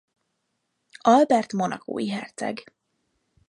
Albert monacói herceg.